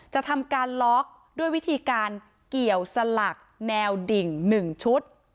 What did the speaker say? จะทำการล็อกด้วยวิธีการเกี่ยวสลักแนวดิ่ง๑ชุด